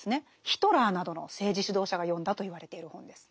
ヒトラーなどの政治指導者が読んだといわれている本です。